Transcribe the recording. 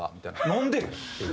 「なんで？」っていう。